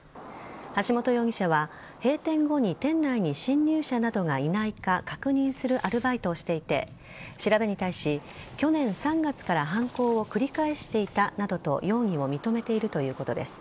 橋本容疑者は閉店後に店内に侵入者などがいないか確認するアルバイトをしていて調べに対し、去年３月から犯行を繰り返していたなどと容疑を認めているということです。